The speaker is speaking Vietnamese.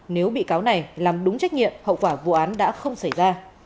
nếu bị cáo này làm đúng trách nhiệm hậu quả vụ án đã không xảy ra